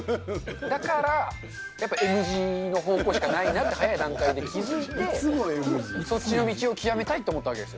だから、やっぱＭ字の方向しかないなって、早い段階で気付いて、そっちの道を究めたいと思ったわけですよ。